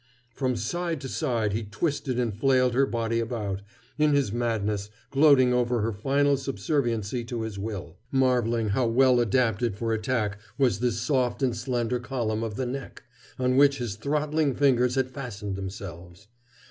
From side to side he twisted and flailed her body about, in his madness, gloating over her final subserviency to his will, marveling how well adapted for attack was this soft and slender column of the neck, on which his throttling fingers had fastened themselves.